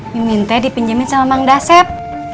mimintnya dipinjemin sama mang dasep